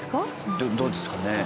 どどうですかね？